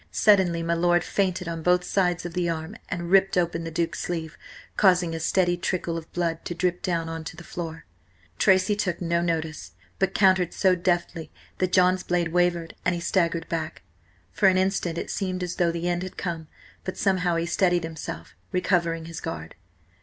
Suddenly my lord feinted on both sides of the arm and ripped open the Duke's sleeve, causing a steady trickle of blood to drip down on to the floor. Tracy took no notice, but countered so deftly that John's blade wavered, and he staggered back. For an instant it seemed as though the end had come, but somehow he steadied himself, recovering his guard.